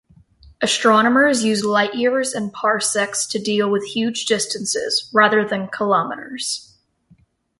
Astronomers use light years and parsecs to deal with huge distances, rather than kilometres.